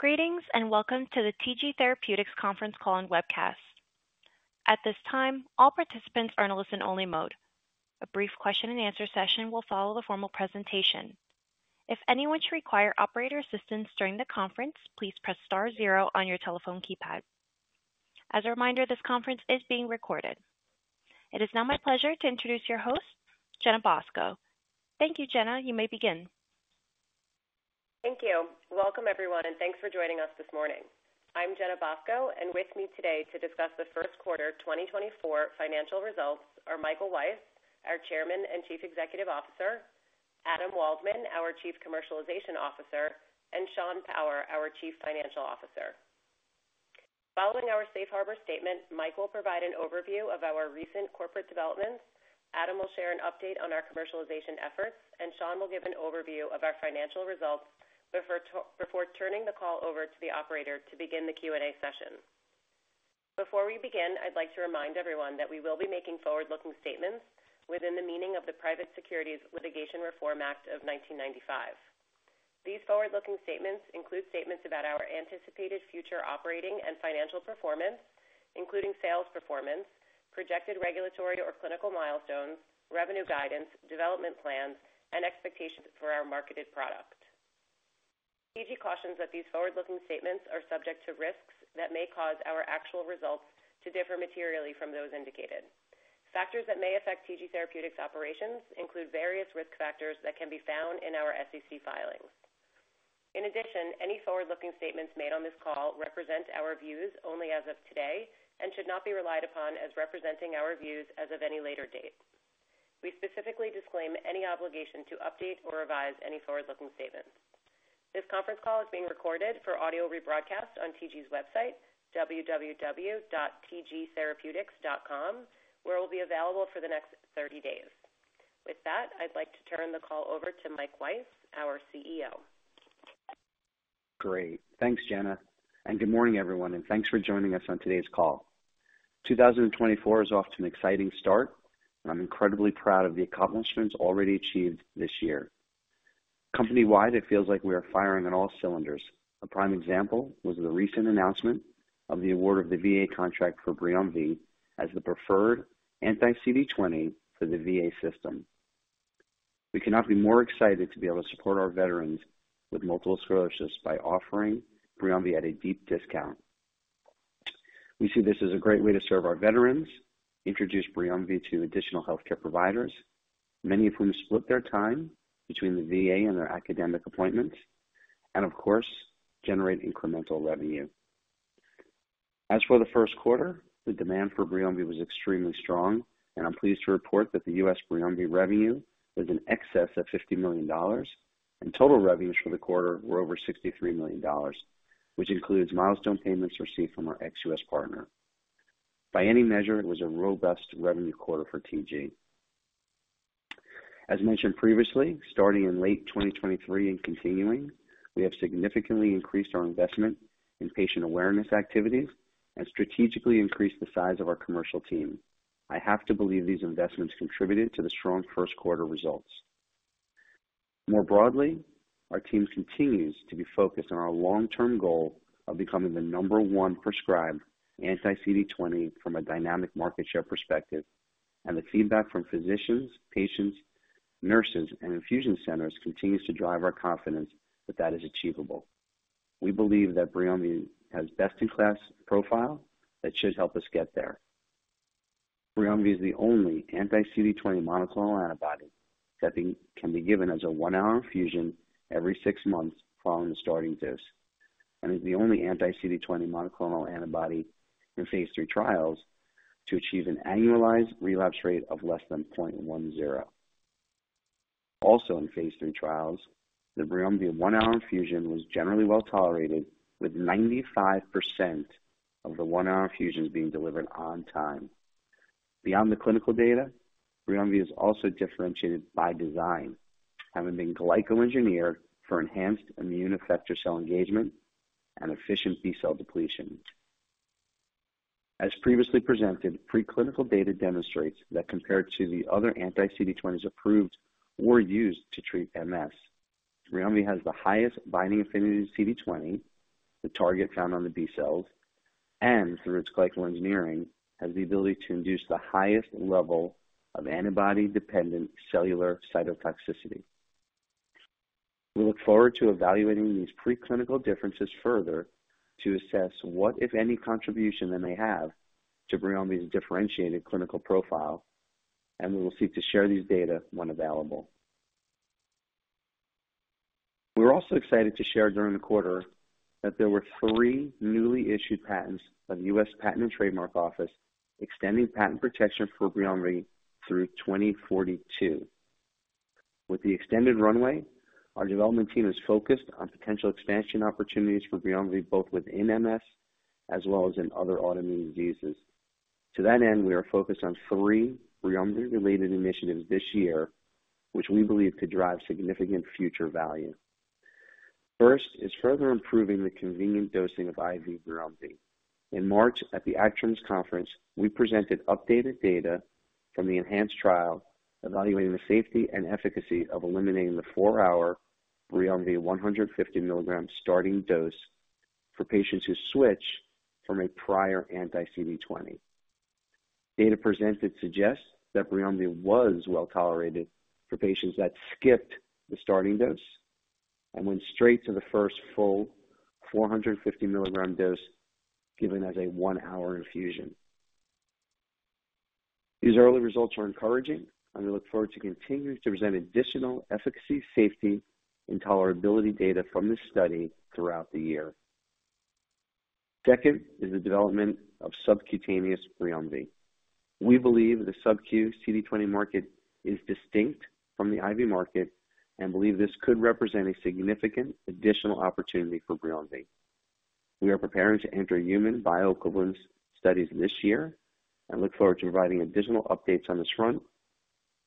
Greetings and welcome to the TG Therapeutics conference call and webcast. At this time, all participants are in a listen-only mode. A brief question-and-answer session will follow the formal presentation. If anyone should require operator assistance during the conference, please press star zero on your telephone keypad. As a reminder, this conference is being recorded. It is now my pleasure to introduce your host, Jenna Bosco. Thank you, Jenna. You may begin. Thank you. Welcome, everyone, and thanks for joining us this morning. I'm Jenna Bosco, and with me today to discuss the first quarter 2024 financial results are Michael Weiss, our Chairman and Chief Executive Officer, Adam Waldman, our Chief Commercialization Officer, and Sean Power, our Chief Financial Officer. Following our Safe Harbor statement, Michael will provide an overview of our recent corporate developments, Adam will share an update on our commercialization efforts, and Sean will give an overview of our financial results before turning the call over to the operator to begin the Q&A session. Before we begin, I'd like to remind everyone that we will be making forward-looking statements within the meaning of the Private Securities Litigation Reform Act of 1995. These forward-looking statements include statements about our anticipated future operating and financial performance, including sales performance, projected regulatory or clinical milestones, revenue guidance, development plans, and expectations for our marketed product. TG cautions that these forward-looking statements are subject to risks that may cause our actual results to differ materially from those indicated. Factors that may affect TG Therapeutics operations include various risk factors that can be found in our SEC filings. In addition, any forward-looking statements made on this call represent our views only as of today and should not be relied upon as representing our views as of any later date. We specifically disclaim any obligation to update or revise any forward-looking statements. This conference call is being recorded for audio rebroadcast on TG's website, www.tgtherapeutics.com, where it will be available for the next 30 days. With that, I'd like to turn the call over to Mike Weiss, our CEO. Great. Thanks, Jenna. And good morning, everyone, and thanks for joining us on today's call. 2024 is off to an exciting start, and I'm incredibly proud of the accomplishments already achieved this year. Company-wide, it feels like we are firing on all cylinders. A prime example was the recent announcement of the award of the VA contract for BRIUMVI as the preferred anti-CD20 for the VA system. We cannot be more excited to be able to support our veterans with multiple sclerosis by offering BRIUMVI at a deep discount. We see this as a great way to serve our veterans, introduce BRIUMVI to additional healthcare providers, many of whom split their time between the VA and their academic appointments, and, of course, generate incremental revenue. As for the first quarter, the demand for BRIUMVI was extremely strong, and I'm pleased to report that the US BRIUMVI revenue was in excess of $50 million, and total revenues for the quarter were over $63 million, which includes milestone payments received from our ex-US partner. By any measure, it was a robust revenue quarter for TG. As mentioned previously, starting in late 2023 and continuing, we have significantly increased our investment in patient awareness activities and strategically increased the size of our commercial team. I have to believe these investments contributed to the strong first-quarter results. More broadly, our team continues to be focused on our long-term goal of becoming the number one prescribed anti-CD20 from a dynamic market share perspective, and the feedback from physicians, patients, nurses, and infusion centers continues to drive our confidence that that is achievable. We believe that BRIUMVI has best-in-class profile that should help us get there. BRIUMVI is the only anti-CD20 monoclonal antibody that can be given as a one-hour infusion every six months following the starting dose, and is the only anti-CD20 monoclonal antibody in phase three trials to achieve an annualized relapse rate of less than 0.10. Also in phase three trials, the BRIUMVI one-hour infusion was generally well tolerated, with 95% of the one-hour infusions being delivered on time. Beyond the clinical data, BRIUMVI is also differentiated by design, having been glycoengineered for enhanced immune effector cell engagement and efficient B-cell depletion. As previously presented, preclinical data demonstrates that compared to the other anti-CD20s approved or used to treat MS, BRIUMVI has the highest binding affinity to CD20, the target found on the B-cells, and through its glycoengineering, has the ability to induce the highest level of antibody-dependent cellular cytotoxicity. We look forward to evaluating these preclinical differences further to assess what, if any, contribution they may have to BRIUMVI's differentiated clinical profile, and we will seek to share these data when available. We're also excited to share during the quarter that there were three newly issued patents by the U.S. Patent and Trademark Office extending patent protection for BRIUMVI through 2042. With the extended runway, our development team is focused on potential expansion opportunities for BRIUMVI both within MS as well as in other autoimmune diseases. To that end, we are focused on three BRIUMVI-related initiatives this year, which we believe could drive significant future value. First is further improving the convenient dosing of IV BRIUMVI. In March at the ACTRIMS conference, we presented updated data from the ENHANCE trial evaluating the safety and efficacy of eliminating the four-hour BRIUMVI 150 milligram starting dose for patients who switch from a prior anti-CD20. Data presented suggests that BRIUMVI was well tolerated for patients that skipped the starting dose and went straight to the first full 450 milligram dose given as a one-hour infusion. These early results are encouraging, and we look forward to continuing to present additional efficacy, safety, and tolerability data from this study throughout the year. Second is the development of subcutaneous BRIUMVI. We believe the subcu CD20 market is distinct from the IV market and believe this could represent a significant additional opportunity for BRIUMVI. We are preparing to enter human bioequivalence studies this year and look forward to providing additional updates on this front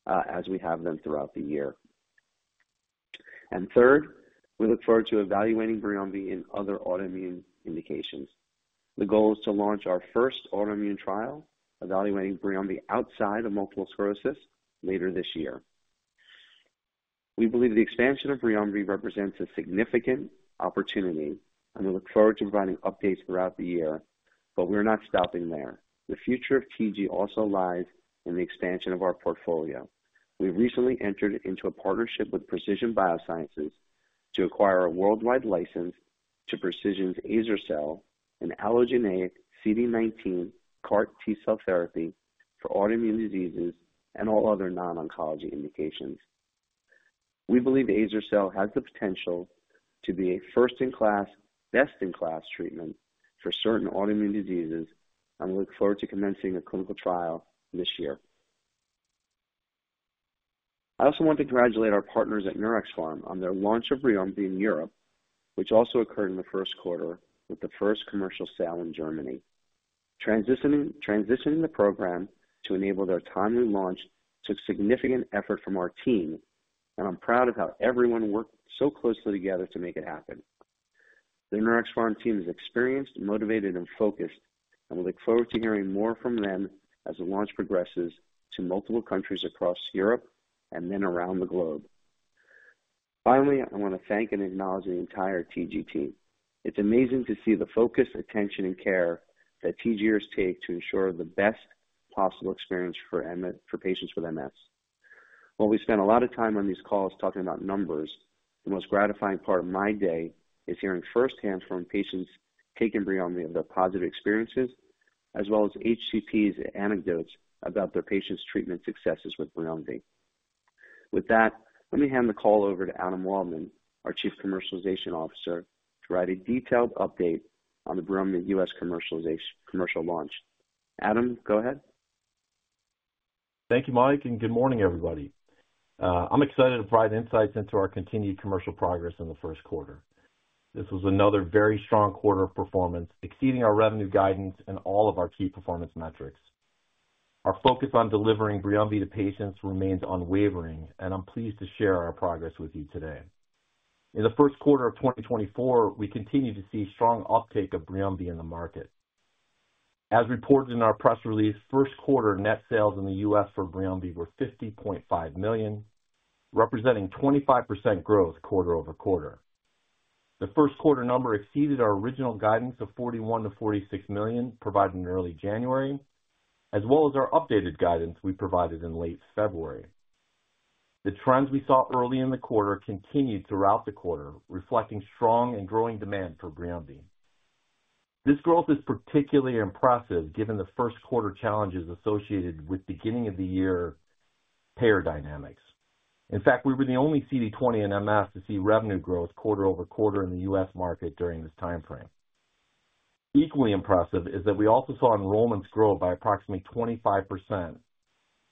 as we have them throughout the year. And third, we look forward to evaluating BRIUMVI in other autoimmune indications. The goal is to launch our first autoimmune trial evaluating BRIUMVI outside of multiple sclerosis later this year. We believe the expansion of BRIUMVI represents a significant opportunity, and we look forward to providing updates throughout the year, but we're not stopping there. The future of TG also lies in the expansion of our portfolio. We've recently entered into a partnership with Precision BioSciences to acquire a worldwide license to Precision's azer-cel, an allogeneic CD19 CAR-T cell therapy for autoimmune diseases and all other non-oncology indications. We believe azer-cel has the potential to be a first-in-class, best-in-class treatment for certain autoimmune diseases, and we look forward to commencing a clinical trial this year. I also want to congratulate our partners at Neuraxpharm on their launch of BRIUMVI in Europe, which also occurred in the first quarter with the first commercial sale in Germany. Transitioning the program to enable their timely launch took significant effort from our team, and I'm proud of how everyone worked so closely together to make it happen. The Neuraxpharm team is experienced, motivated, and focused, and we look forward to hearing more from them as the launch progresses to multiple countries across Europe and then around the globe. Finally, I want to thank and acknowledge the entire TG team. It's amazing to see the focus, attention, and care that TGers take to ensure the best possible experience for patients with MS. While we spend a lot of time on these calls talking about numbers, the most gratifying part of my day is hearing firsthand from patients taking BRIUMVI of their positive experiences as well as HCPs' anecdotes about their patients' treatment successes with BRIUMVI. With that, let me hand the call over to Adam Waldman, our Chief Commercialization Officer, to provide a detailed update on the BRIUMVI U.S. commercial launch. Adam, go ahead. Thank you, Mike, and good morning, everybody. I'm excited to provide insights into our continued commercial progress in the first quarter. This was another very strong quarter of performance, exceeding our revenue guidance and all of our key performance metrics. Our focus on delivering BRIUMVI to patients remains unwavering, and I'm pleased to share our progress with you today. In the first quarter of 2024, we continue to see strong uptake of BRIUMVI in the market. As reported in our press release, first quarter net sales in the U.S. for BRIUMVI were $50.5 million, representing 25% growth quarter-over-quarter. The first quarter number exceeded our original guidance of $41 million-$46 million provided in early January, as well as our updated guidance we provided in late February. The trends we saw early in the quarter continued throughout the quarter, reflecting strong and growing demand for BRIUMVI. This growth is particularly impressive given the first quarter challenges associated with beginning-of-the-year payer dynamics. In fact, we were the only CD20 in MS to see revenue growth quarter-over-quarter in the U.S. market during this time frame. Equally impressive is that we also saw enrollments grow by approximately 25%,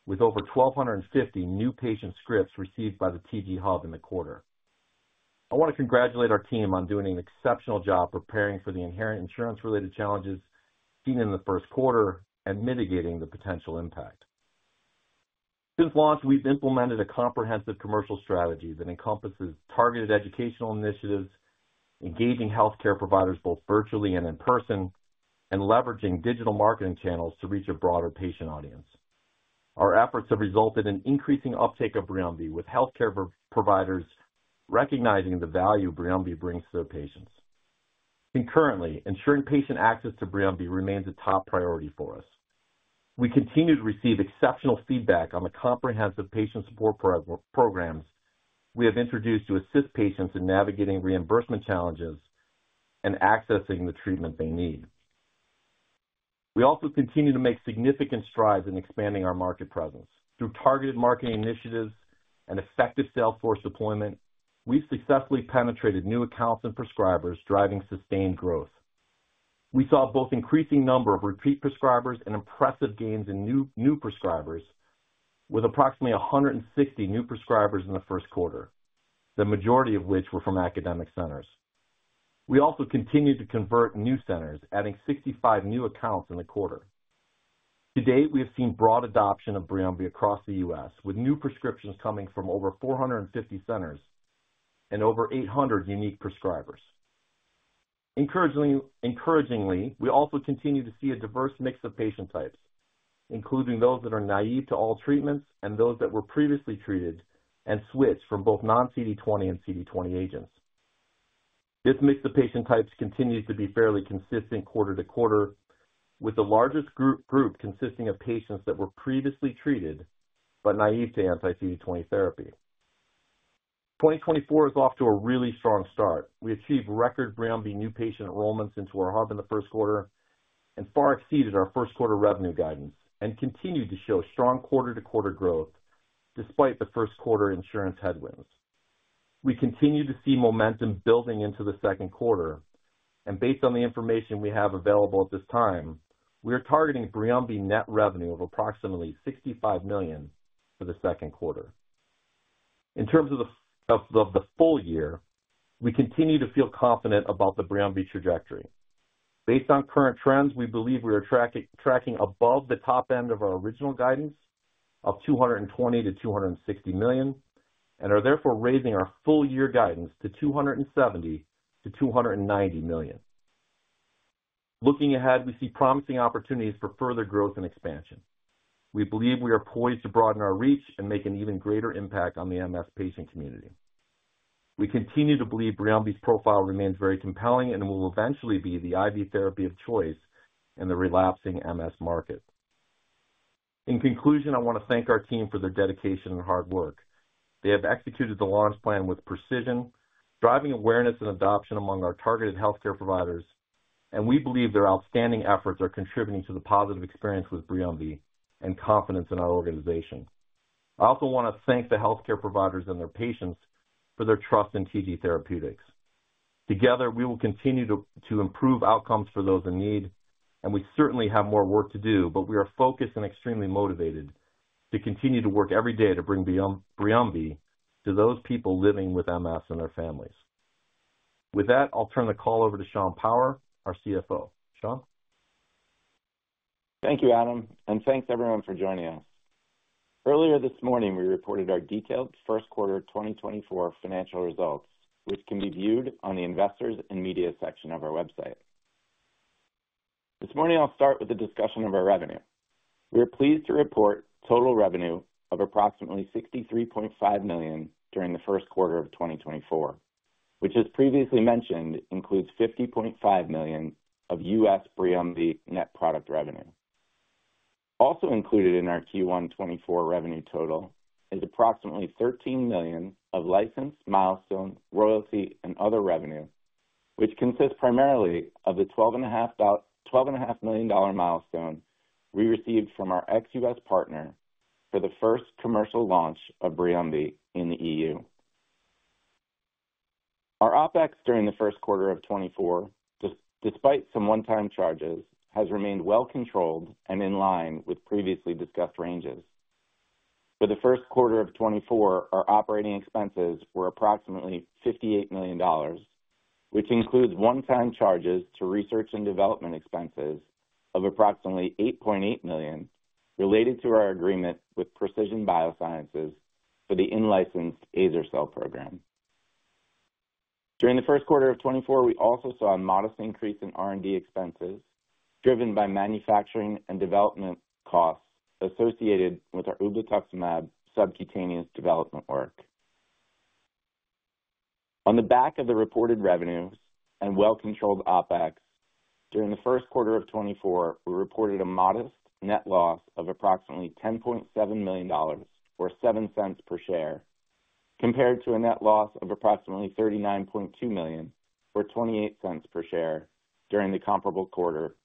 with over 1,250 new patient scripts received by the TG Hub in the quarter. I want to congratulate our team on doing an exceptional job preparing for the inherent insurance-related challenges seen in the first quarter and mitigating the potential impact. Since launch, we've implemented a comprehensive commercial strategy that encompasses targeted educational initiatives, engaging healthcare providers both virtually and in person, and leveraging digital marketing channels to reach a broader patient audience. Our efforts have resulted in increasing uptake of BRIUMVI, with healthcare providers recognizing the value BRIUMVI brings to their patients. Concurrently, ensuring patient access to BRIUMVI remains a top priority for us. We continue to receive exceptional feedback on the comprehensive patient support programs we have introduced to assist patients in navigating reimbursement challenges and accessing the treatment they need. We also continue to make significant strides in expanding our market presence. Through targeted marketing initiatives and effective sales force deployment, we've successfully penetrated new accounts and prescribers, driving sustained growth. We saw both an increasing number of repeat prescribers and impressive gains in new prescribers, with approximately 160 new prescribers in the first quarter, the majority of which were from academic centers. We also continue to convert new centers, adding 65 new accounts in the quarter. To date, we have seen broad adoption of BRIUMVI across the U.S., with new prescriptions coming from over 450 centers and over 800 unique prescribers. Encouragingly, we also continue to see a diverse mix of patient types, including those that are naive to all treatments and those that were previously treated and switched from both non-CD20 and CD20 agents. This mix of patient types continues to be fairly consistent quarter to quarter, with the largest group consisting of patients that were previously treated but naive to anti-CD20 therapy. 2024 is off to a really strong start. We achieved record BRIUMVI new patient enrollments into our hub in the first quarter and far exceeded our first-quarter revenue guidance, and continue to show strong quarter-to-quarter growth despite the first quarter insurance headwinds. We continue to see momentum building into the second quarter, and based on the information we have available at this time, we are targeting BRIUMVI net revenue of approximately $65 million for the second quarter. In terms of the full year, we continue to feel confident about the BRIUMVI trajectory. Based on current trends, we believe we are tracking above the top end of our original guidance of $220 million-$260 million and are therefore raising our full-year guidance to $270 million-$290 million. Looking ahead, we see promising opportunities for further growth and expansion. We believe we are poised to broaden our reach and make an even greater impact on the MS patient community. We continue to believe BRIUMVI's profile remains very compelling and will eventually be the IV therapy of choice in the relapsing MS market. In conclusion, I want to thank our team for their dedication and hard work. They have executed the launch plan with precision, driving awareness and adoption among our targeted healthcare providers, and we believe their outstanding efforts are contributing to the positive experience with BRIUMVI and confidence in our organization. I also want to thank the healthcare providers and their patients for their trust in TG Therapeutics. Together, we will continue to improve outcomes for those in need, and we certainly have more work to do, but we are focused and extremely motivated to continue to work every day to bring BRIUMVI to those people living with MS and their families. With that, I'll turn the call over to Sean Power, our CFO. Sean? Thank you, Adam, and thanks everyone for joining us. Earlier this morning, we reported our detailed first quarter 2024 financial results, which can be viewed on the investors and media section of our website. This morning, I'll start with the discussion of our revenue. We are pleased to report total revenue of approximately $63.5 million during the first quarter of 2024, which, as previously mentioned, includes $50.5 million of US BRIUMVI net product revenue. Also included in our Q1 2024 revenue total is approximately $13 million of license, milestone, royalty, and other revenue, which consists primarily of the $12.5 million milestone we received from our ex-U.S. partner for the first commercial launch of BRIUMVI in the E.U. Our OpEx during the first quarter of 2024, despite some one-time charges, has remained well controlled and in line with previously discussed ranges. For the first quarter of 2024, our operating expenses were approximately $58 million, which includes one-time charges to research and development expenses of approximately $8.8 million related to our agreement with Precision BioSciences for the unlicensed azer-cel program. During the first quarter of 2024, we also saw a modest increase in R&D expenses driven by manufacturing and development costs associated with our ublutuximab subcutaneous development work. On the back of the reported revenues and well-controlled OpEx, during the first quarter of 2024, we reported a modest net loss of approximately $10.7 million or $0.07 per share compared to a net loss of approximately $39.2 million or $0.28 per share during the comparable quarter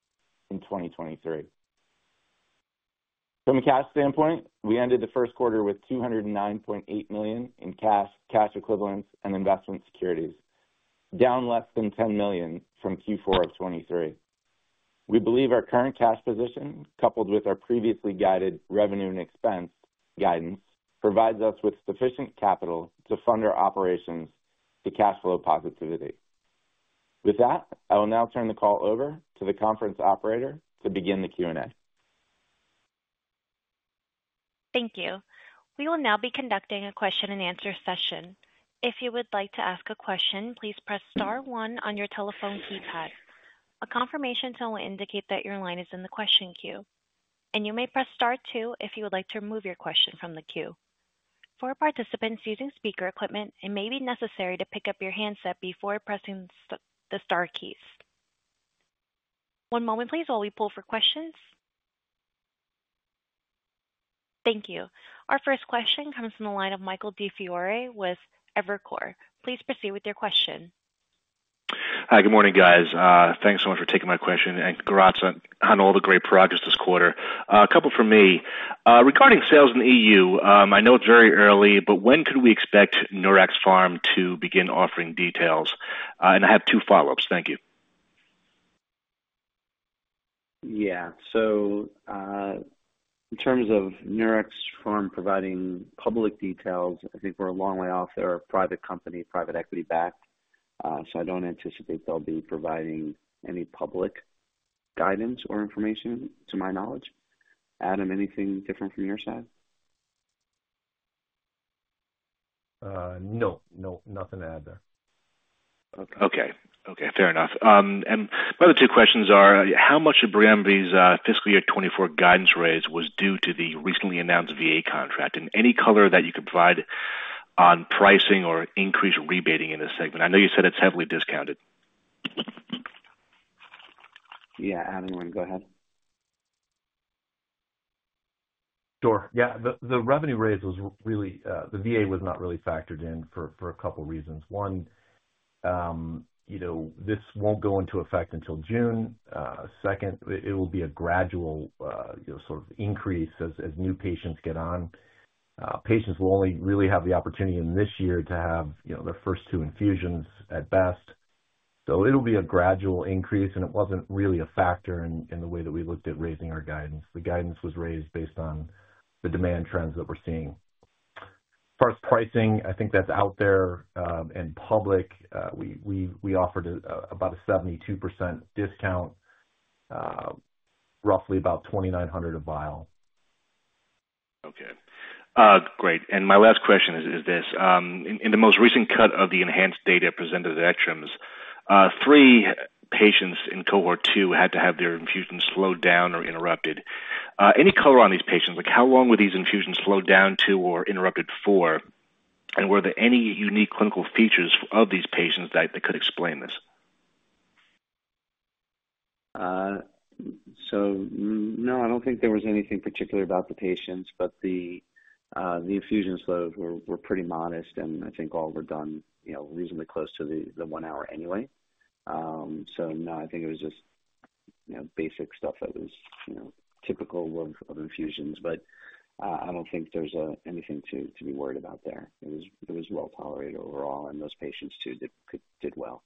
in 2023. From a cash standpoint, we ended the first quarter with $209.8 million in cash, cash equivalents, and investment securities, down less than $10 million from Q4 of 2023. We believe our current cash position, coupled with our previously guided revenue and expense guidance, provides us with sufficient capital to fund our operations to cash flow positivity. With that, I will now turn the call over to the conference operator to begin the Q&A. Thank you. We will now be conducting a question-and-answer session. If you would like to ask a question, please press star one on your telephone keypad. A confirmation tone will indicate that your line is in the question queue, and you may press star two if you would like to remove your question from the queue. For participants using speaker equipment, it may be necessary to pick up your handset before pressing the star keys. One moment, please, while we poll for questions. Thank you. Our first question comes from the line of Michael DiFiore with Evercore. Please proceed with your question. Hi, good morning, guys. Thanks so much for taking my question, and congrats on all the great progress this quarter. A couple from me. Regarding sales in the EU, I know it's very early, but when could we expect Neuraxpharm to begin offering details? And I have two follow-ups. Thank you. Yeah. So in terms of Neuraxpharm providing public details, I think we're a long way off. They're a private company, private equity backed, so I don't anticipate they'll be providing any public guidance or information, to my knowledge. Adam, anything different from your side? No, nothing to add there. Okay, okay, fair enough. And my other two questions are: how much of BRIUMVI's fiscal year 2024 guidance raise was due to the recently announced VA contract, and any color that you could provide on pricing or increased rebating in this segment? I know you said it's heavily discounted. Yeah, Adam, you want to go ahead? Sure. Yeah, the revenue raise was really, the VA was not really factored in for a couple of reasons. One, this won't go into effect until June. Second, it will be a gradual sort of increase as new patients get on. Patients will only really have the opportunity in this year to have their first 2 infusions at best. So it'll be a gradual increase, and it wasn't really a factor in the way that we looked at raising our guidance. The guidance was raised based on the demand trends that we're seeing. As far as pricing, I think that's out there and public. We offered about a 72% discount, roughly about $2,900 a vial. Okay, great. My last question is this: in the most recent cut of the ENHANCE data presented at ACTRIMS, three patients in cohort two had to have their infusion slowed down or interrupted. Any color on these patients? How long were these infusions slowed down to or interrupted for? And were there any unique clinical features of these patients that could explain this? So no, I don't think there was anything particular about the patients, but the infusion rates were pretty modest, and I think all were done reasonably close to the 1 hour anyway. So no, I think it was just basic stuff that was typical of infusions, but I don't think there's anything to be worried about there. It was well tolerated overall, and those patients, too, did well.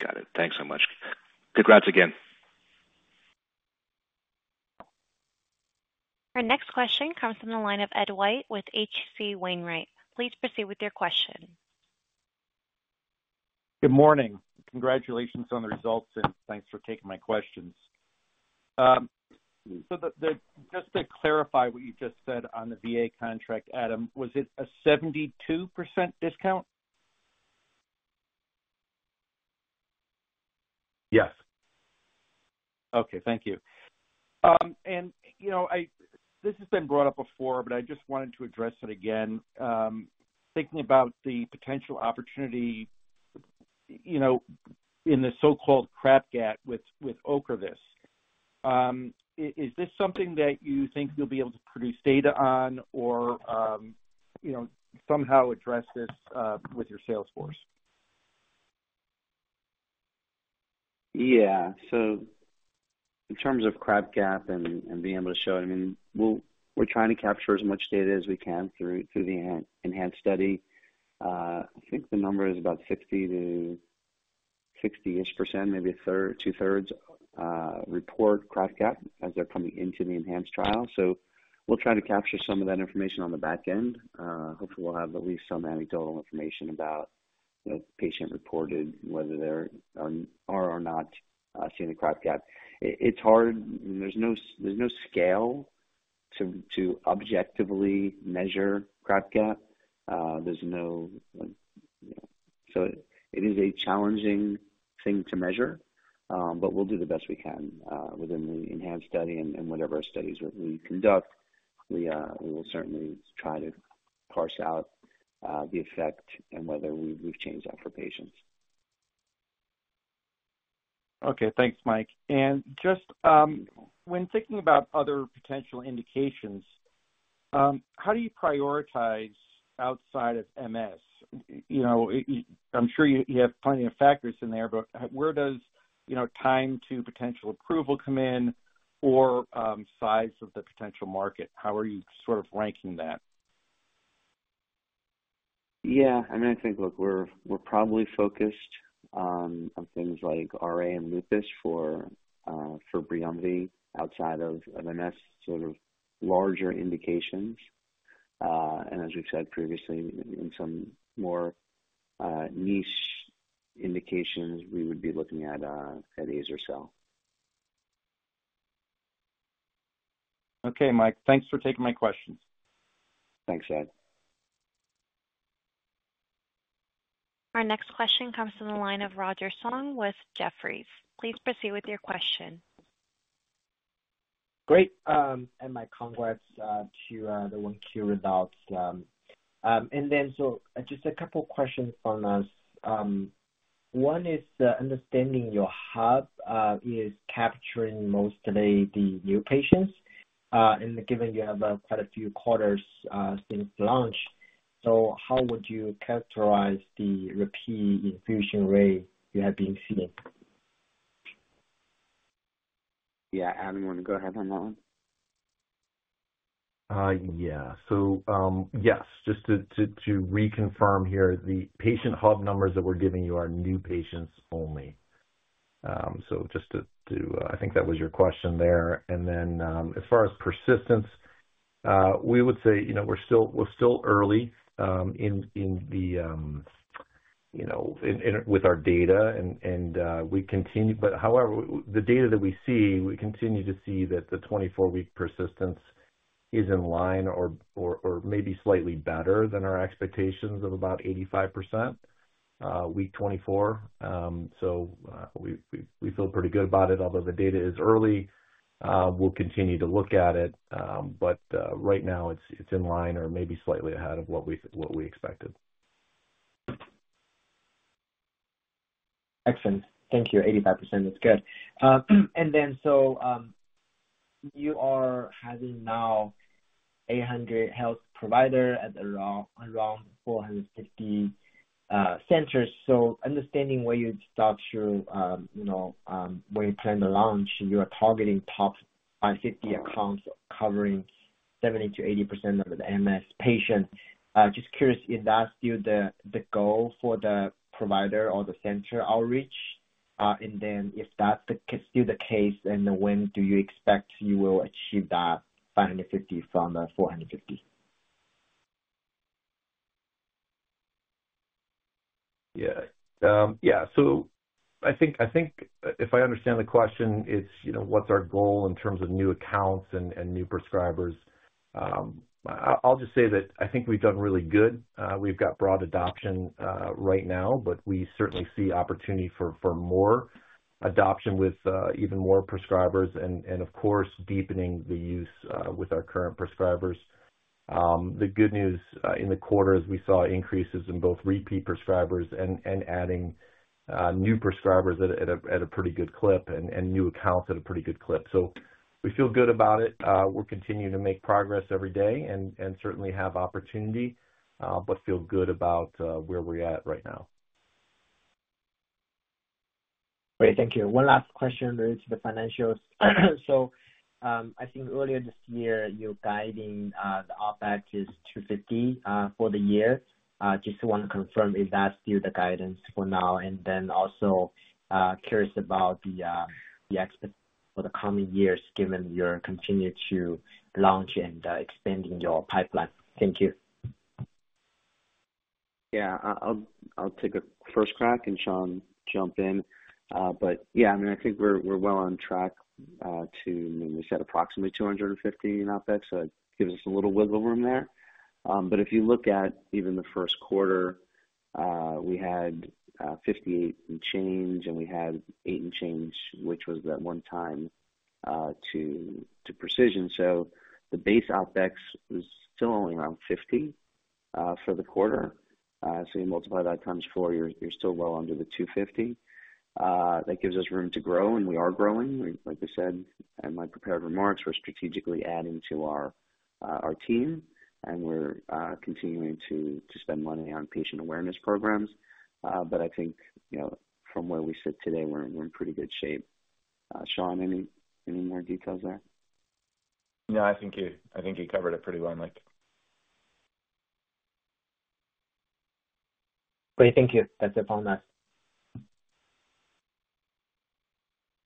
Got it. Thanks so much. Congrats again. Our next question comes from the line of Ed White with H.C. Wainwright. Please proceed with your question. Good morning. Congratulations on the results, and thanks for taking my questions. Just to clarify what you just said on the VA contract, Adam, was it a 72% discount? Yes. Okay, thank you. This has been brought up before, but I just wanted to address it again. Thinking about the potential opportunity in the so-called crap gap with OCREVUS, is this something that you think you'll be able to produce data on or somehow address this with your sales force? Yeah. So in terms of crap gap and being able to show it, I mean, we're trying to capture as much data as we can through the enhanced study. I think the number is about 60-ish%, maybe two-thirds report crap gap as they're coming into the enhanced trial. So we'll try to capture some of that information on the back end. Hopefully, we'll have at least some anecdotal information about patient-reported, whether they are or not seeing the crap gap. It's hard. There's no scale to objectively measure crap gap. There's no so it is a challenging thing to measure, but we'll do the best we can within the enhanced study and whatever studies we conduct. We will certainly try to parse out the effect and whether we've changed that for patients. Okay, thanks, Mike. Just when thinking about other potential indications, how do you prioritize outside of MS? I'm sure you have plenty of factors in there, but where does time to potential approval come in or size of the potential market? How are you sort of ranking that? Yeah, I mean, I think, look, we're probably focused on things like RA and lupus for BRIUMVI outside of MS, sort of larger indications. As we've said previously, in some more niche indications, we would be looking at azer-cel. Okay, Mike, thanks for taking my questions. Thanks, Ed. Our next question comes from the line of Roger Song with Jefferies. Please proceed with your question. Great, and my congrats to the Q1 results. And then so just a couple of questions from us. One is understanding your hub is capturing mostly the new patients, and given you have quite a few quarters since launch, so how would you characterize the repeat infusion rate you have been seeing? Yeah, Adam, you want to go ahead on that one? Yeah. So yes, just to reconfirm here, the patient hub numbers that we're giving you are new patients only. So just to I think that was your question there. And then as far as persistence, we would say we're still early in the with our data, and we continue but however, the data that we see, we continue to see that the 24-week persistence is in line or maybe slightly better than our expectations of about 85% week 24. So we feel pretty good about it, although the data is early. We'll continue to look at it, but right now, it's in line or maybe slightly ahead of what we expected. Excellent. Thank you. 85%, that's good. And then so you are having now 800 health providers at around 450 centers. So understanding where you start through when you plan the launch, you are targeting top 550 accounts covering 70%-80% of the MS patients. Just curious, is that still the goal for the provider or the center outreach? And then if that's still the case, then when do you expect you will achieve that 550 from the 450? Yeah, yeah. So I think if I understand the question, it's what's our goal in terms of new accounts and new prescribers. I'll just say that I think we've done really good. We've got broad adoption right now, but we certainly see opportunity for more adoption with even more prescribers and, of course, deepening the use with our current prescribers. The good news in the quarter is we saw increases in both repeat prescribers and adding new prescribers at a pretty good clip and new accounts at a pretty good clip. So we feel good about it. We're continuing to make progress every day and certainly have opportunity, but feel good about where we're at right now. Great, thank you. One last question related to the financials. So I think earlier this year, you guided the OpEx is $250 for the year. Just want to confirm if that's still the guidance for now. And then also curious about the expectations for the coming years given your continue to launch and expanding your pipeline. Thank you. Yeah, I'll take a first crack, and Sean, jump in. But yeah, I mean, I think we're well on track. I mean, we said approximately $250 in OpEx, so it gives us a little wiggle room there. But if you look at even the first quarter, we had $58 and change, and we had $8 and change, which was that one-time to Precision. So the base OpEx was still only around $50 for the quarter. So you multiply that times 4, you're still well under the $250. That gives us room to grow, and we are growing. Like we said in my prepared remarks, we're strategically adding to our team, and we're continuing to spend money on patient awareness programs. But I think from where we sit today, we're in pretty good shape. Sean, any more details there? No, I think you covered it pretty well, Mike. Great, thank you. That's it from us.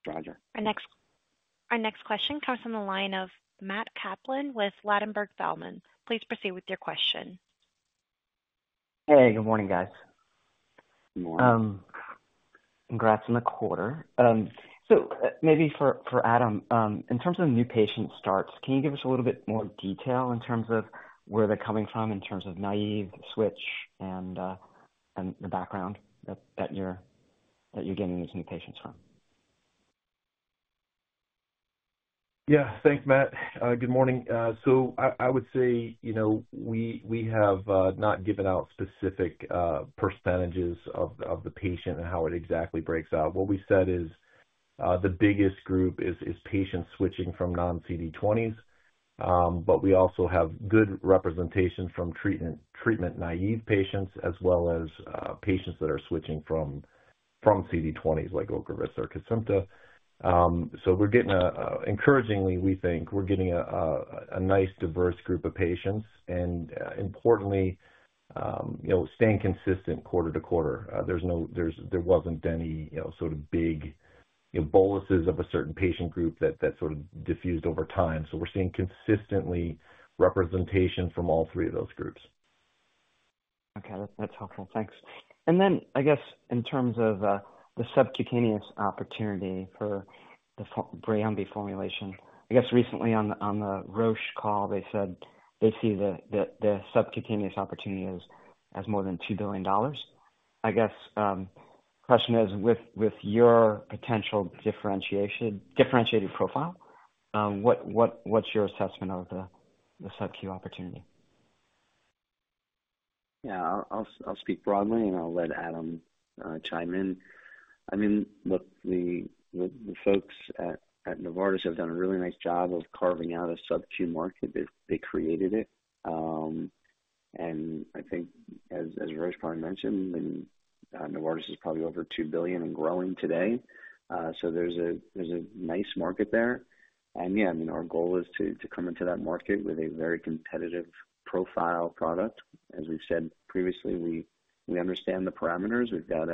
Roger. Our next question comes from the line of Matt Kaplan with Ladenburg Thalmann. Please proceed with your question. Hey, good morning, guys. Good morning. Congrats on the quarter. So maybe for Adam, in terms of new patient starts, can you give us a little bit more detail in terms of where they're coming from, in terms of naive, switch, and the background that you're getting these new patients from? Yeah, thanks, Matt. Good morning. So I would say we have not given out specific percentages of the patients and how it exactly breaks out. What we said is the biggest group is patients switching from non-CD20s, but we also have good representation from treatment naive patients as well as patients that are switching from CD20s like OCREVUS or KESIMPTA. So encouragingly, we think we're getting a nice, diverse group of patients and, importantly, staying consistent quarter to quarter. There wasn't any sort of big boluses of a certain patient group that sort of diffused over time. So we're seeing consistently representation from all three of those groups. Okay, that's helpful. Thanks. And then I guess in terms of the subcutaneous opportunity for the BRIUMVI formulation, I guess recently on the Roche call, they said they see the subcutaneous opportunity as more than $2 billion. I guess the question is, with your potential differentiated profile, what's your assessment of the sub-Q opportunity? Yeah, I'll speak broadly, and I'll let Adam chime in. I mean, look, the folks at Novartis have done a really nice job of carving out a sub-Q market. They created it. And I think, as Roche probably mentioned, Novartis is probably over $2 billion and growing today. So there's a nice market there. And yeah, I mean, our goal is to come into that market with a very competitive profile product. As we've said previously, we understand the parameters. We've got,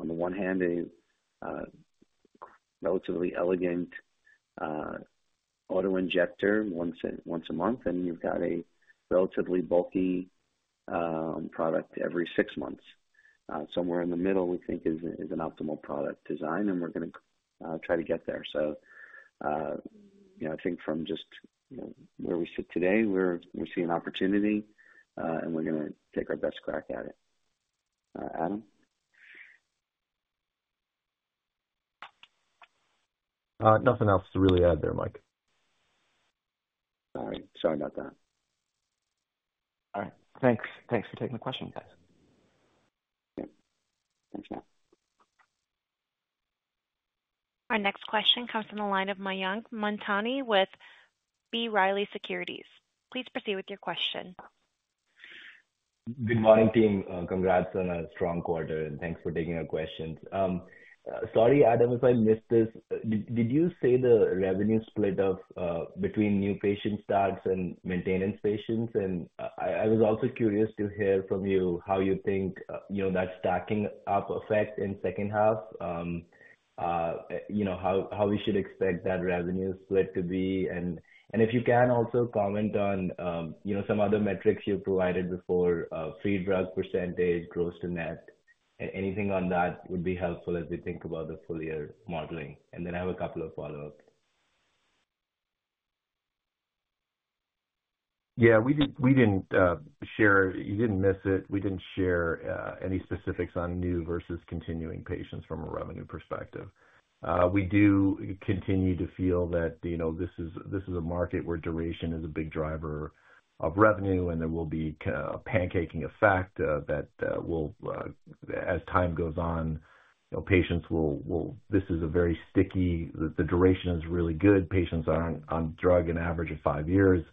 on the one hand, a relatively elegant autoinjector once a month, and you've got a relatively bulky product every six months. Somewhere in the middle, we think, is an optimal product design, and we're going to try to get there. So I think from just where we sit today, we're seeing opportunity, and we're going to take our best crack at it. Adam? Nothing else to really add there, Mike. Sorry about that. All right. Thanks for taking the question, guys. Yeah. Thanks, Matt. Our next question comes from the line of Mayank Mamtani with B. Riley Securities. Please proceed with your question. Good morning, team. Congrats on a strong quarter, and thanks for taking our questions. Sorry, Adam, if I missed this, did you say the revenue split between new patient starts and maintenance patients? And I was also curious to hear from you how you think that stacking up effect in second half, how we should expect that revenue split to be. And if you can also comment on some other metrics you provided before: feedback percentage, gross to net, anything on that would be helpful as we think about the full-year modeling. And then I have a couple of follow-ups. Yeah, we didn't share. You didn't miss it. We didn't share any specifics on new versus continuing patients from a revenue perspective. We do continue to feel that this is a market where duration is a big driver of revenue, and there will be a pancaking effect that will, as time goes on, this is a very sticky. The duration is really good. Patients are on drug an average of five years.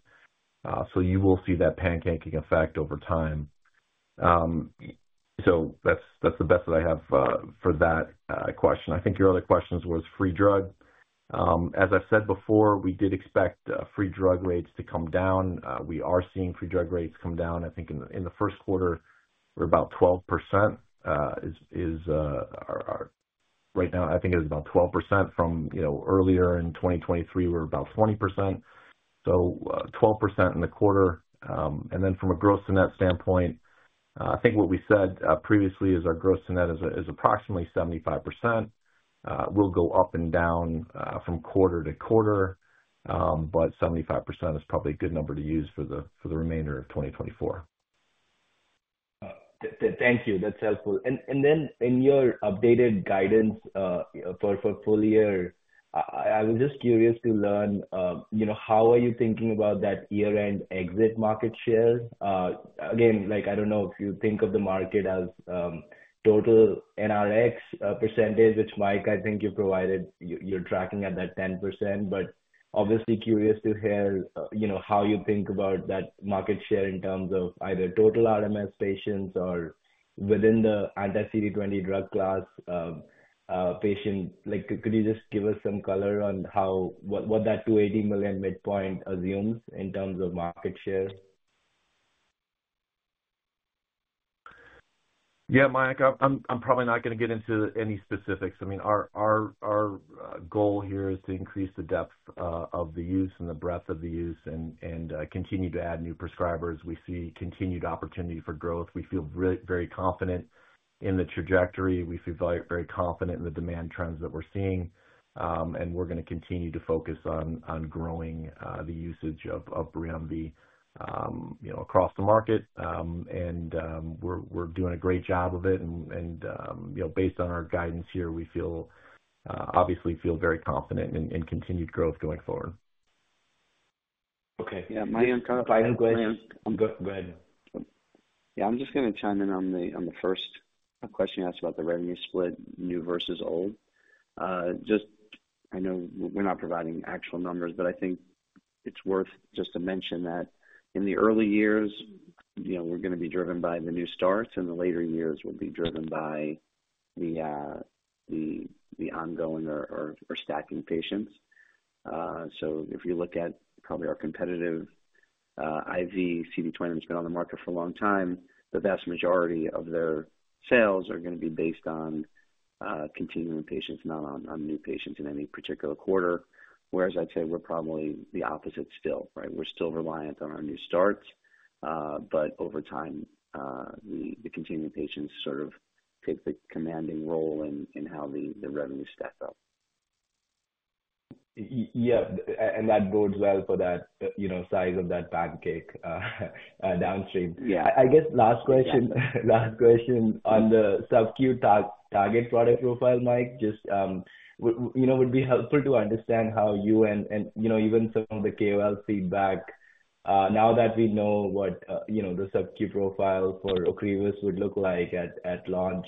So you will see that pancaking effect over time. So that's the best that I have for that question. I think your other question was free drug. As I've said before, we did expect free drug rates to come down. We are seeing free drug rates come down. I think in the first quarter, we're about 12% right now. I think it was about 12%. From earlier in 2023, we were about 20%. 12% in the quarter. From a gross-to-net standpoint, I think what we said previously is our gross-to-net is approximately 75%. We'll go up and down from quarter to quarter, but 75% is probably a good number to use for the remainder of 2024. Thank you. That's helpful. And then in your updated guidance for full year, I was just curious to learn, how are you thinking about that year-end exit market share? Again, I don't know if you think of the market as total NRX percentage, which, Mike, I think you provided you're tracking at that 10%, but obviously curious to hear how you think about that market share in terms of either total RMS patients or within the anti-CD20 drug class patients. Could you just give us some color on what that $280 million midpoint assumes in terms of market share? Yeah, Mike, I'm probably not going to get into any specifics. I mean, our goal here is to increase the depth of the use and the breadth of the use and continue to add new prescribers. We see continued opportunity for growth. We feel very confident in the trajectory. We feel very confident in the demand trends that we're seeing. And we're going to continue to focus on growing the usage of BRIUMVI across the market. And we're doing a great job of it. And based on our guidance here, we obviously feel very confident in continued growth going forward. Okay. Yeah, Mayank kind of got Mayank. Go ahead. Yeah, I'm just going to chime in on the first question you asked about the revenue split, new versus old. I know we're not providing actual numbers, but I think it's worth just to mention that in the early years, we're going to be driven by the new starts, and the later years will be driven by the ongoing or stacking patients. So if you look at probably our competitive IV CD20 that's been on the market for a long time, the vast majority of their sales are going to be based on continuing patients, not on new patients in any particular quarter. Whereas I'd say we're probably the opposite still, right? We're still reliant on our new starts, but over time, the continuing patients sort of take the commanding role in how the revenue stacks up. Yeah, and that bodes well for that size of that pancake downstream. I guess last question on the sub-Q target product profile, Mike, just would be helpful to understand how you and even some of the KOL feedback now that we know what the sub-Q profile for OCREVUS would look like at launch,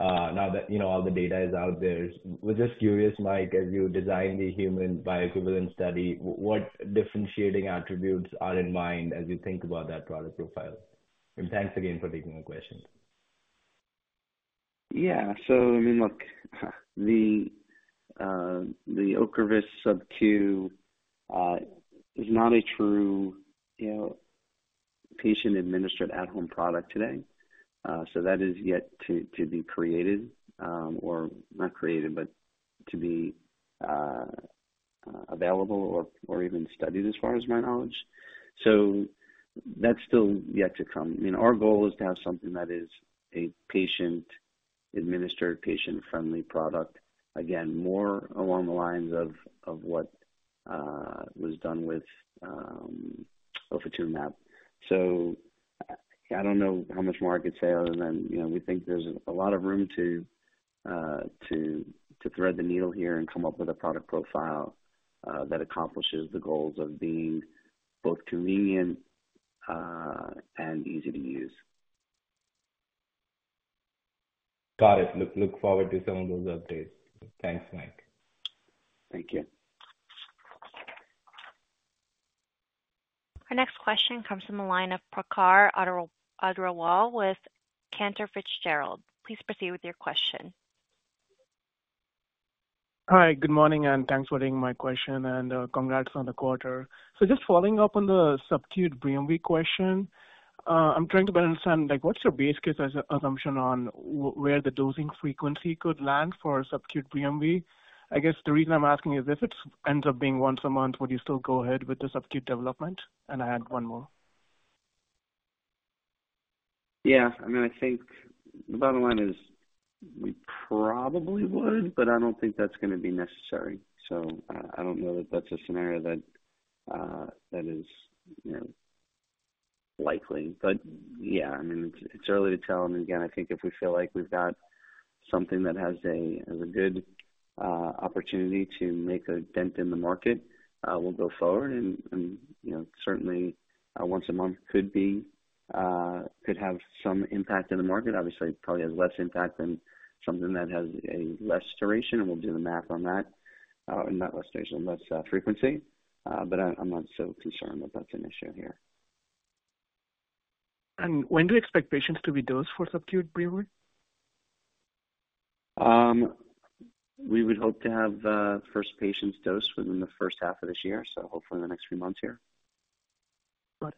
now that all the data is out there. We're just curious, Mike, as you design the human bioequivalent study, what differentiating attributes are in mind as you think about that product profile? And thanks again for taking the question. Yeah, so I mean, look, the OCREVUS sub-Q is not a true patient-administered at-home product today. So that is yet to be created or not created, but to be available or even studied as far as my knowledge. So that's still yet to come. I mean, our goal is to have something that is a patient-administered, patient-friendly product, again, more along the lines of what was done with ofatumumab. So I don't know how much more I could say other than we think there's a lot of room to thread the needle here and come up with a product profile that accomplishes the goals of being both convenient and easy to use. Got it. Look forward to some of those updates. Thanks, Mike. Thank you. Our next question comes from the line of Prakhar Agrawal with Cantor Fitzgerald. Please proceed with your question. Hi, good morning, and thanks for taking my question, and congrats on the quarter. So just following up on the sub-Q BRIUMVI question, I'm trying to better understand, what's your base case assumption on where the dosing frequency could land for sub-Q BRIUMVI? I guess the reason I'm asking is if it ends up being once a month, would you still go ahead with the sub-Q development? And I had one more. Yeah, I mean, I think the bottom line is we probably would, but I don't think that's going to be necessary. So I don't know that that's a scenario that is likely. But yeah, I mean, it's early to tell. And again, I think if we feel like we've got something that has a good opportunity to make a dent in the market, we'll go forward. And certainly, once a month could have some impact in the market. Obviously, it probably has less impact than something that has a less duration, and we'll do the math on that, not less duration, less frequency. But I'm not so concerned that that's an issue here. When do you expect patients to be dosed for sub-Q BRIUMVI? We would hope to have first patients dosed within the first half of this year, so hopefully in the next few months here. Got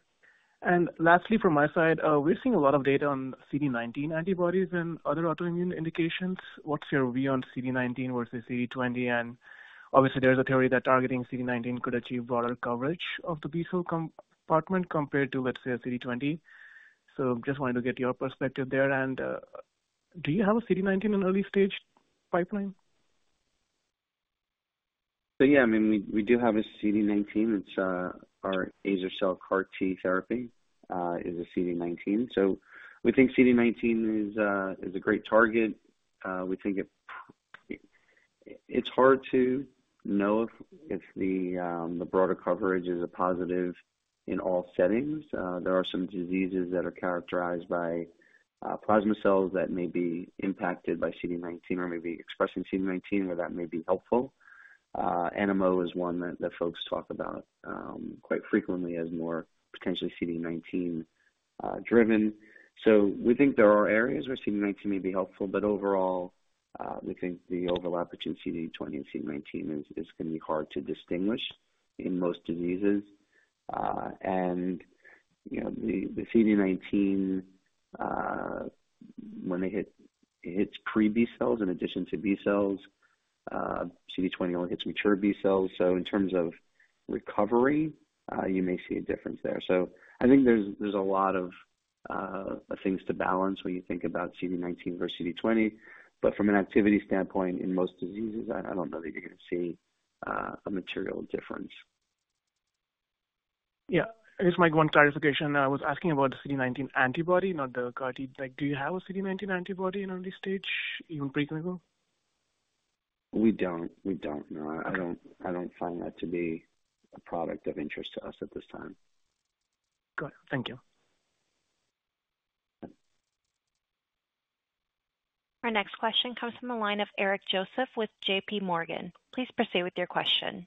it. Lastly, from my side, we're seeing a lot of data on CD19 antibodies and other autoimmune indications. What's your view on CD19 versus CD20? Obviously, there's a theory that targeting CD19 could achieve broader coverage of the B-cell compartment compared to, let's say, a CD20. Just wanted to get your perspective there. Do you have a CD19 in early-stage pipeline? So yeah, I mean, we do have a CD19. Our azer-cel CAR-T therapy is a CD19. So we think CD19 is a great target. We think it's hard to know if the broader coverage is a positive in all settings. There are some diseases that are characterized by plasma cells that may be impacted by CD19 or may be expressing CD19 where that may be helpful. NMO is one that folks talk about quite frequently as more potentially CD19-driven. So we think there are areas where CD19 may be helpful, but overall, we think the overlap between CD20 and CD19 is going to be hard to distinguish in most diseases. And the CD19, when it hits pre-B cells in addition to B cells, CD20 only hits mature B cells. So in terms of recovery, you may see a difference there. I think there's a lot of things to balance when you think about CD19 versus CD20. But from an activity standpoint, in most diseases, I don't know that you're going to see a material difference. Yeah, I guess, Mike, one clarification. I was asking about the CD19 antibody, not the CAR-T. Do you have a CD19 antibody in early stage, even preclinical? We don't. We don't. No, I don't find that to be a product of interest to us at this time. Got it. Thank you. Our next question comes from the line of Eric Joseph with J.P. Morgan. Please proceed with your question.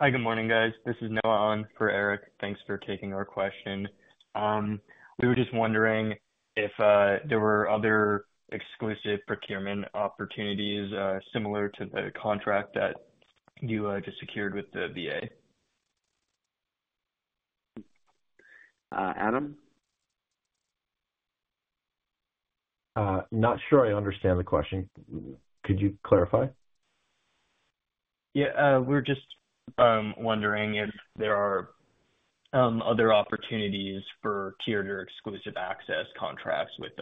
Hi, good morning, guys. This is Noah Ahn for Eric. Thanks for taking our question. We were just wondering if there were other exclusive procurement opportunities similar to the contract that you just secured with the VA. Adam? Not sure I understand the question. Could you clarify? Yeah, we're just wondering if there are other opportunities for tiered or exclusive access contracts with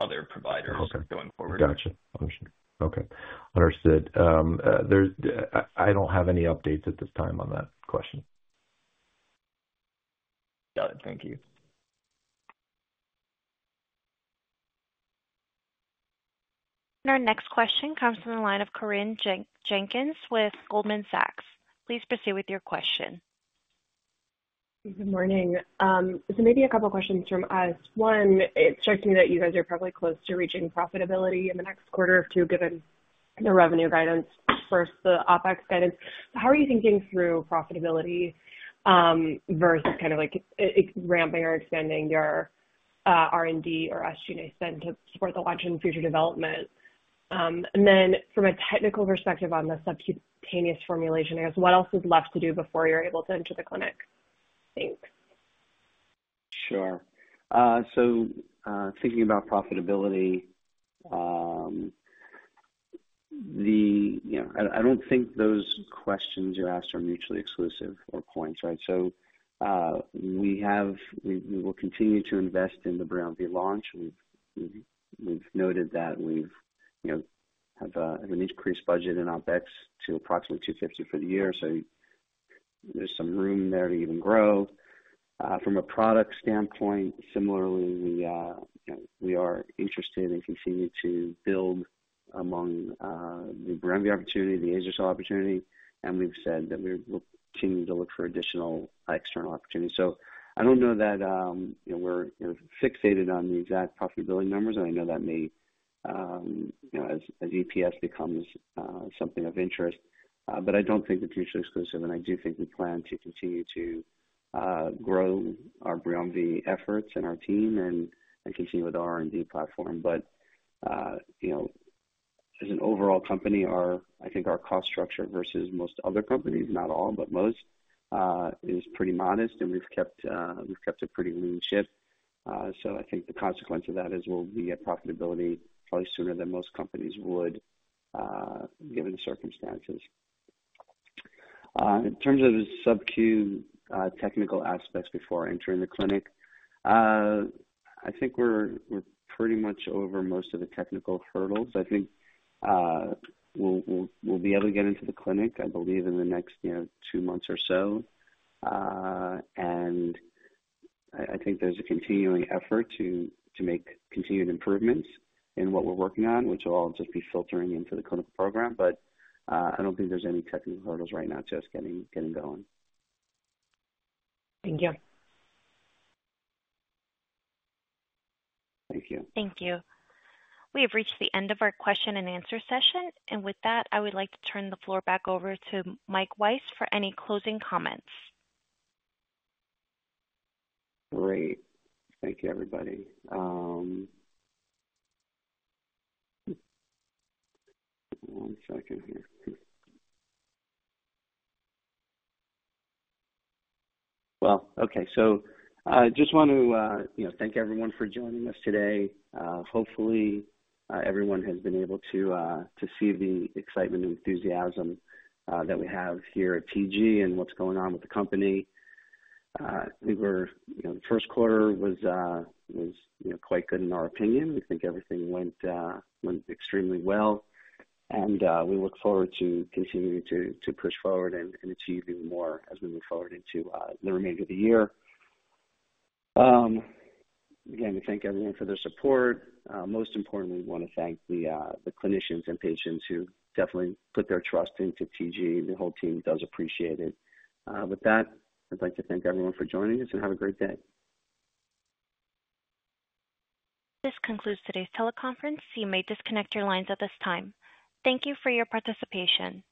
other providers going forward. Gotcha. Understood. Okay. Understood. I don't have any updates at this time on that question. Got it. Thank you. Our next question comes from the line of Corinne Jenkins with Goldman Sachs. Please proceed with your question. Good morning. So maybe a couple of questions from us. One, it strikes me that you guys are probably close to reaching profitability in the next quarter or two given the revenue guidance, first the OpEx guidance. So how are you thinking through profitability versus kind of ramping or expanding your R&D or SG&A spend to support the launch and future development? And then from a technical perspective on the subcutaneous formulation, I guess, what else is left to do before you're able to enter the clinic? Thanks. Sure. Thinking about profitability, I don't think those questions you asked are mutually exclusive or points, right? We will continue to invest in the BRIUMVI launch. We've noted that we have an increased budget in OpEx to approximately $250 million for the year. There's some room there to even grow. From a product standpoint, similarly, we are interested and continue to build among the BRIUMVI opportunity, the azer-cel opportunity, and we've said that we will continue to look for additional external opportunities. I don't know that we're fixated on the exact profitability numbers. And I know that maybe as EPS becomes something of interest. But I don't think it's mutually exclusive. And I do think we plan to continue to grow our BRIUMVI efforts and our team and continue with our R&D platform. As an overall company, I think our cost structure versus most other companies, not all, but most, is pretty modest. We've kept a pretty lean ship. I think the consequence of that is we'll be at profitability probably sooner than most companies would given the circumstances. In terms of sub-Q technical aspects before entering the clinic, I think we're pretty much over most of the technical hurdles. I think we'll be able to get into the clinic, I believe, in the next two months or so. I think there's a continuing effort to make continued improvements in what we're working on, which will all just be filtering into the clinical program. I don't think there's any technical hurdles right now to us getting going. Thank you. Thank you. Thank you. We have reached the end of our question and answer session. With that, I would like to turn the floor back over to Mike Weiss for any closing comments. Great. Thank you, everybody. One second here. Well, okay. I just want to thank everyone for joining us today. Hopefully, everyone has been able to see the excitement and enthusiasm that we have here at TG and what's going on with the company. I think the first quarter was quite good in our opinion. We think everything went extremely well. We look forward to continuing to push forward and achieve even more as we move forward into the remainder of the year. Again, we thank everyone for their support. Most importantly, we want to thank the clinicians and patients who definitely put their trust into TG. The whole team does appreciate it. With that, I'd like to thank everyone for joining us and have a great day. This concludes today's teleconference. You may disconnect your lines at this time. Thank you for your participation.